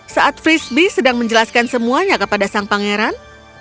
saat frisbee sedang menjelaskan semuanya kepada sang pangeran